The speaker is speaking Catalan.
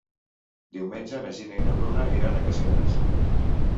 Diumenge na Gina i na Bruna iran a Caseres.